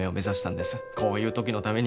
こういう時のために。